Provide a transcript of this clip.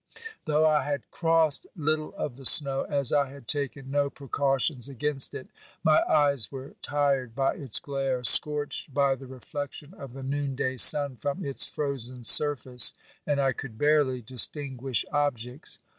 Though I had crossed little of the snow, as I had taken no precautions against it, my eyes were tired by its glare, scorched by the reflection of the noonday sun from its frozen surface, and I could barely distinguish objects.